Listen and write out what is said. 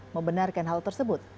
membenarkan hal tersebut